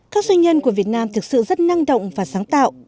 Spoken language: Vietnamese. các doanh nhân của việt nam thực sự rất năng động và sáng tạo